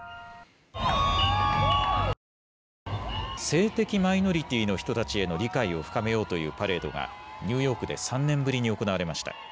性的マイノリティーの人たちへの理解を深めようというパレードが、ニューヨークで３年ぶりに行われました。